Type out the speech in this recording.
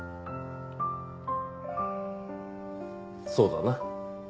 そうだな。